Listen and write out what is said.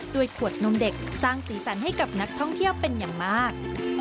ขวดนมเด็กสร้างสีสันให้กับนักท่องเที่ยวเป็นอย่างมาก